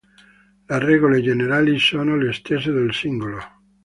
Le regole generali sono le stesse del singolo.